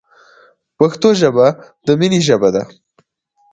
پښتو ژبه د مینې ژبه ده.